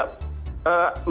mereka akan berpikir